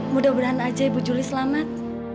mudah mudahan aja ibu juli selamat